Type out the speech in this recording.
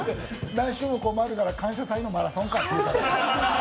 何周も回るから「感謝祭」のマラソンかって言った。